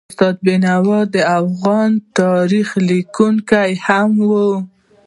استاد بینوا د افغان تاریخ لیکونکی هم و.